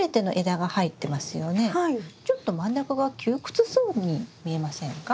ちょっと真ん中が窮屈そうに見えませんか？